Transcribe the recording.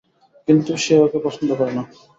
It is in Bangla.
কিন্তু সে ওকে পছন্দ করে না।